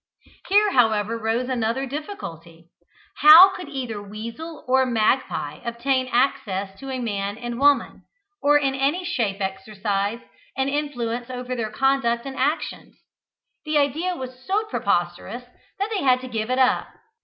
Here, however, arose another difficulty. How could either weasel or magpie obtain access to a man and woman, or in any shape exercise an influence over their conduct and actions? The idea was so preposterous that they had to give it up.